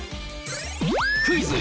クイズ！